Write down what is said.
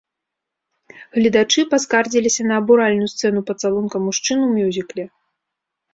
Гледачы паскардзіліся на абуральную сцэну пацалунка мужчын у мюзікле.